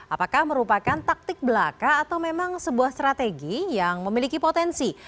apakah merupakan taktik belaka atau memang sebuah strategi yang memiliki potensi